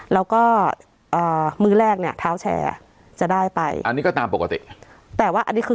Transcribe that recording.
แล้วก็อ่ามื้อแรกเนี่ยเท้าแชร์จะได้ไปอันนี้ก็ตามปกติแต่ว่าอันนี้คือ